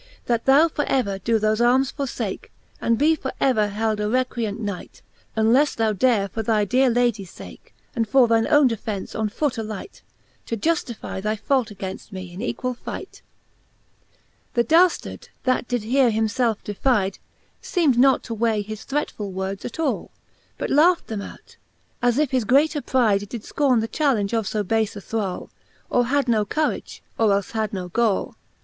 That thou for ever doe thofe armes forfake j. And be for ever held a recreant Knight, Unlefle thou dare for thy deare Ladies fake,, And for thine owne defence, on foote alight^ To juftifie thy fault gainft me in equall fight. XXXVI. Th© Cant. III. the Faerie Queene. %^i XXXVI. The daftard, that did heare him felfe defyde, Seem'd not to weigh his threatfull words at all. But laught them out, as if his greater pryde Did fcorne the challenge of fo bafe a thrall j Or had no courage, or elfe had no gall.